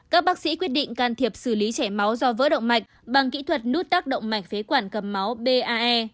các bác sĩ quyết định can thiệp xử lý chảy máu do vỡ động mạch bằng kỹ thuật nút tác động mạch phế quản cầm máu bae